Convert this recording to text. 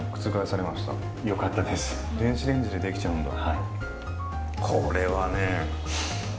電子レンジでできちゃうんだ。